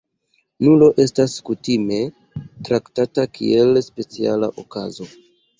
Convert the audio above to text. Nulo estas kutime traktata kiel speciala okazo.